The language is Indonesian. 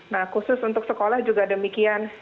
nah khusus untuk sekolah juga demikian